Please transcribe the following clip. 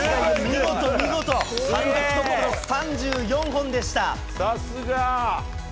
見事、見事、単独トップの３４本でした。